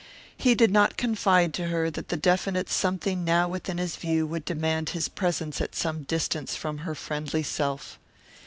He did not confide to her that the definite something now within his view would demand his presence at some distance from her friendly self.